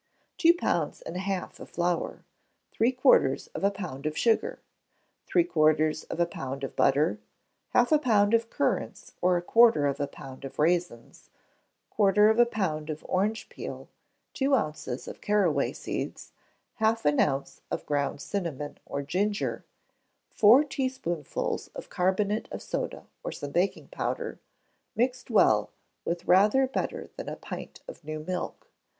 Two pounds and a half of flour, three quarters of a pound of sugar, three quarters of a pound of butter, half a pound of currants or quarter of a pound of raisins, quarter of a pound of orange peel, two ounces of caraway seeds, half an ounce of ground cinnamon or ginger, four teaspoonfuls of carbonate of soda or some baking powder; mixed well, with rather better than a pint of new milk.